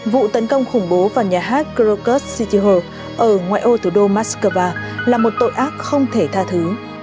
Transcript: vụ tấn công khủng bố vào nhà hát krokus city hall ở ngoại ô thủ đô moscow là một tội ác không thể tha thứ